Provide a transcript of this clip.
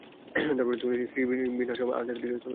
শ্রীনিবাসম, তাদেরকে তাড়াতাড়ি নিয়ে আসতে বলুন।